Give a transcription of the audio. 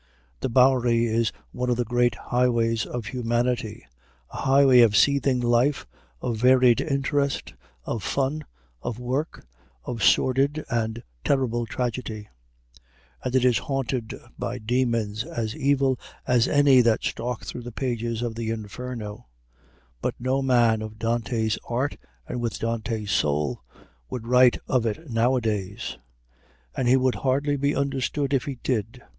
The Bowery is one of the great highways of humanity, a highway of seething life, of varied interest, of fun, of work, of sordid and terrible tragedy; and it is haunted by demons as evil as any that stalk through the pages of the Inferno. But no man of Dante's art and with Dante's soul would write of it nowadays; and he would hardly be understood if he did.